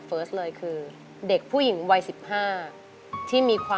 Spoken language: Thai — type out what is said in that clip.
เฟิร์สถึงวันนี้